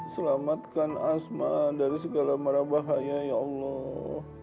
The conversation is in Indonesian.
selamatkan asma dari segala marah bahaya ya allah